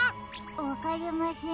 わかりません。